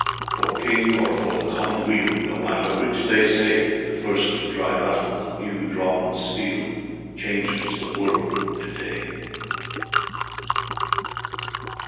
For King or for the Commonweal No matter which they say, The first dry rattle of new drawn steel Changes the world to day